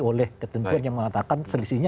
oleh ketentuan yang mengatakan selisihnya